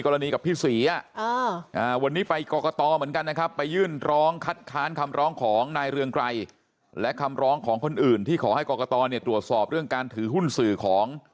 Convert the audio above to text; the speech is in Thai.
กรกตตรวจสอบเรื่องการถือหุ้นสื่อของ